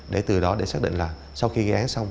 để từ đó xác định là sau khi ghi án xong